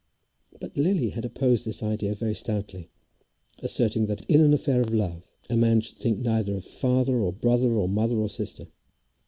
But Lily had opposed this idea very stoutly, asserting that in an affair of love a man should think neither of father or brother or mother or sister.